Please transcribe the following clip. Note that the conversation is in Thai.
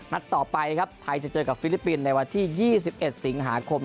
นัดต่อไปครับไทยจะเจอกับฟิลิปปินส์ในวันที่๒๑สิงหาคม